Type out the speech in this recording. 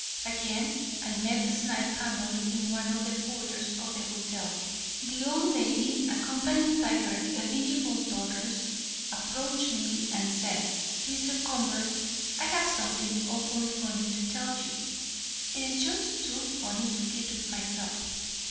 Again I met the Snipe family in one of the foyers of the hotel. The old lady, accompanied by her eligible daughters, approached me and said: "Mr. Convert, I have something awfully funny to tell you. It is just too funny to keep to myself.